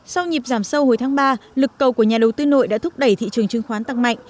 sau nhịp giảm sâu hồi tháng ba lực cầu của nhà đầu tư nội đã thúc đẩy thị trường chứng khoán tăng mạnh